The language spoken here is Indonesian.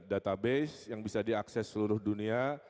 database yang bisa diakses seluruh dunia